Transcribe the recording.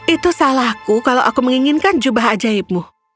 itu salahku kalau aku menginginkan jubah ajaibmu